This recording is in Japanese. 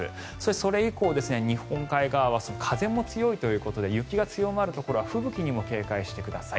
それ以降、日本海側は風も強いということで雪が強まるところは吹雪にも警戒してください。